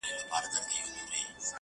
دغه زرين مخ’